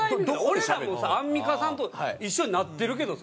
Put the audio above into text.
俺らもさアンミカさんと一緒になってるけどさ。